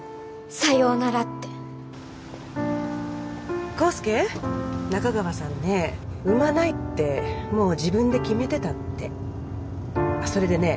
さようならって康介仲川さんね産まないってもう自分で決めてたってそれでね